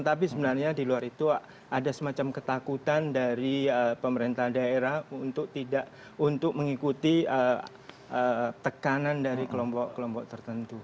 tapi sebenarnya di luar itu ada semacam ketakutan dari pemerintah daerah untuk tidak untuk mengikuti tekanan dari kelompok kelompok tertentu